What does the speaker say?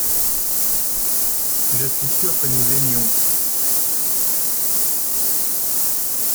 Je suis sûr que nous aimions.